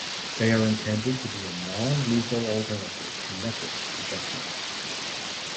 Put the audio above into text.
They are intended to be a non-lethal alternative to metal projectiles.